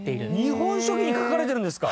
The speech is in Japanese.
『日本書紀』に書かれてるんですか。